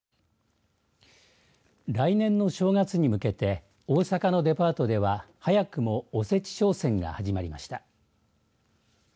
来年の正月に向けて大阪のデパートでは早くもおせち商戦が始まりました。